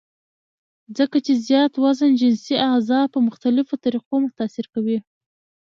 ځکه چې زيات وزن جنسي اعضاء پۀ مختلفوطريقو متاثره کوي -